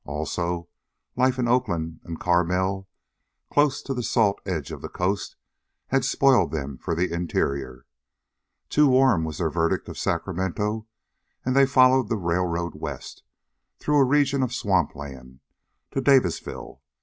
Also, life in Oakland and Carmel, close to the salt edge of the coast, had spoiled them for the interior. Too warm, was their verdict of Sacramento and they followed the railroad west, through a region of swamp land, to Davisville.